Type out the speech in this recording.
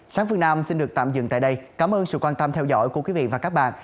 sáng phương nam xin được tạm dừng tại đây cảm ơn sự quan tâm theo dõi của quý vị và các bạn